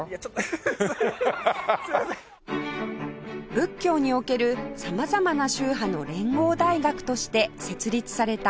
仏教における様々な宗派の連合大学として設立された大正大学